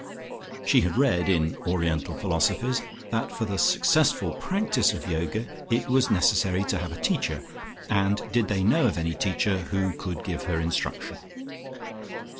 She had read in "Oriental Philosophies" that for the successful practice of Yoga, it was necessary to have a teacher, and did they know of any teacher who could give her instruction?